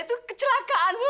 itu kecelakaan bu